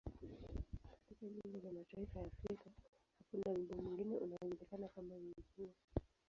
Katika nyimbo za mataifa ya Afrika, hakuna wimbo mwingine unaojulikana kama wimbo huo.